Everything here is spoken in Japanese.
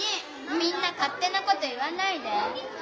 みんなかってなこと言わないで。